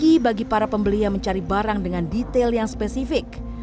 ini bagi para pembeli yang mencari barang dengan detail yang spesifik